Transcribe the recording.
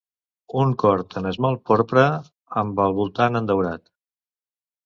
Un cor en esmalt porpra, amb el voltant en daurat.